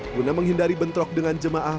guna menghindari bentrok dengan jemaah